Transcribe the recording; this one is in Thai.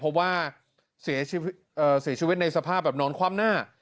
เพราะว่าเสียชีวิตในสภาพแบบนอนคว่ำหน้า